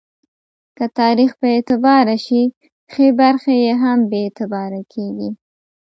که تاریخ بې اعتباره شي، ښې برخې یې هم بې اعتباره کېږي.